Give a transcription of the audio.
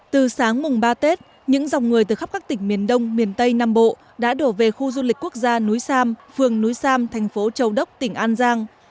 từ sáng mùng ba tết những dòng người từ khắp các tỉnh miền đông miền tây nam bộ đã đổ về khu du lịch quốc gia núi sam phường núi sam thành phố châu đốc tỉnh an giang